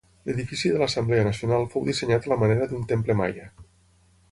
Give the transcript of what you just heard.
L'edifici de l'Assemblea Nacional fou dissenyat a la manera d'un temple maia.